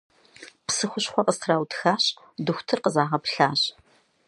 Псы хущхъуэ къыстраутхащ, дохутыр къызагъэплъащ.